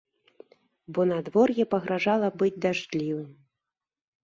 Бо надвор'е пагражала быць дажджлівым.